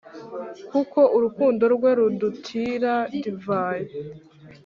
Kuko urukundo rwe rundutira divayi.